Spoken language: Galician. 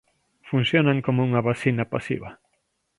Funcionan como unha vacina pasiva.